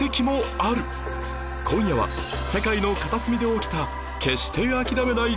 今夜は世界の片隅で起きた決して諦めない！